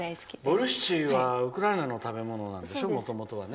ボルシチはウクライナの食べ物なんでしょ、もともとはね。